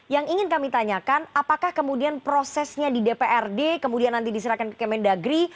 yang ingin kami tanyakan apakah kemudian prosesnya di dprd kemudian nanti diserahkan ke kemendagri